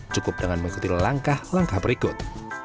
cukup dengan mengikuti langkah langkah berikut